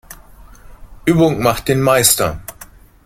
Übung macht den Meister.